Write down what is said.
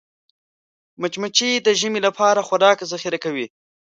مچمچۍ د ژمي لپاره خوراک ذخیره کوي